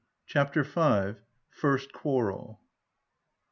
79 CHAPTER V. FIRST QUARREL.